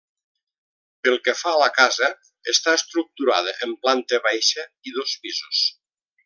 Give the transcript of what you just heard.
Pel que fa a la casa està estructurada en planta baixa i dos pisos.